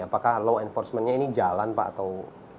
apakah law enforcement nya ini jalan pak atau